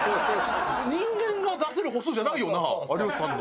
人間が出せる歩数じゃないよな有吉さんの。